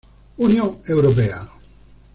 Unión Europea.